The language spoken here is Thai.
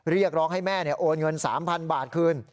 เรียกร้องให้แม่โอนเงิน๓๐๐๐บาทคืน